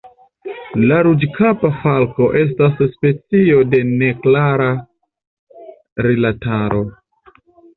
La Ruĝkapa falko estas specio de neklara rilataro.